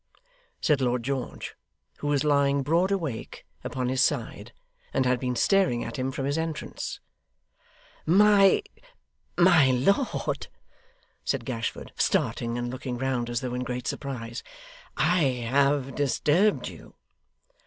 said Lord George, who was lying broad awake, upon his side, and had been staring at him from his entrance. 'My my lord,' said Gashford, starting and looking round as though in great surprise. 'I have disturbed you!